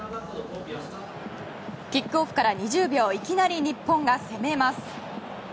キックオフから２０秒いきなり日本が攻めます。